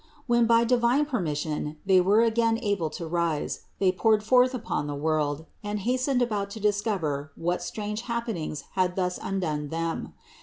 When by divine permission they were again able to rise, they poured forth upon the world and hastened about to discover what strange happening had thus undone them.